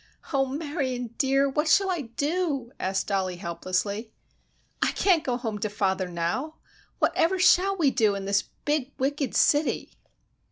"Oh, Marion, dear, what shall we do?" asked Dollie helplessly. "I can't go home to father now! Whatever shall we do in this big, wicked city?"